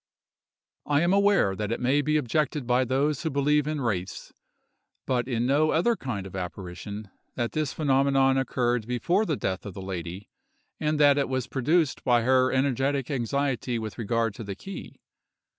I am aware that it may be objected by those who believe in wraiths, but in no other kind of apparition, that this phenomenon occurred before the death of the lady, and that it was produced by her energetic anxiety with regard to the key.